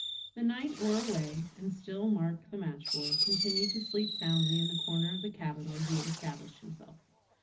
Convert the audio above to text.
The night wore away, and still Mark, the match boy, continued to sleep soundly in the corner of the cabin where he had established himself.